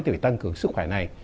từ tăng cường sức khỏe này